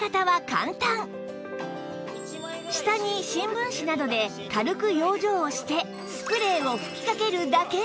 下に新聞紙などで軽く養生をしてスプレーを吹きかけるだけ！